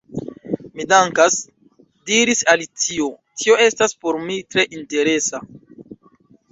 "Mi dankas," diris Alicio, "tio estas por mi tre interesa. »